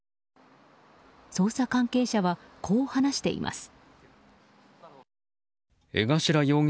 捜査関係者は、こう話しています。